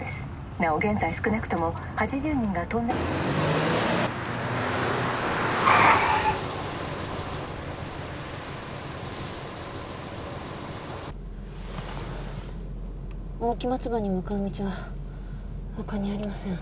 なお現在少なくとも８０人がトンネル大木松葉に向かう道は他にありません